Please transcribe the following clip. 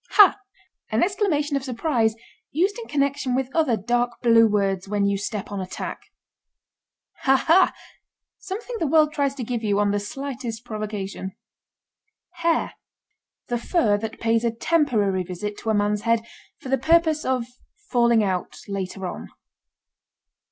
###HA! An exclamation of surprise used in connection with other dark blue words when you step on a tack. HA, HA! Something the world tries to give you on the slightest provocation. HAIR. The fur that pays a temporary visit to a man's head for the purpose of falling out later on.